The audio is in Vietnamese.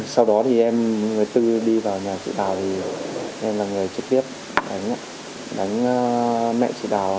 sau đó thì em người tư đi vào nhà chị đào thì em là người trực tiếp đánh mẹ chị đào